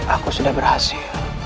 aku sudah berhasil